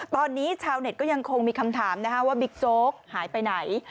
ตอนนี้ชาวเน็ตก็ยังคงมีคำถามว่าบิ๊กโจ๊กหายไปไหน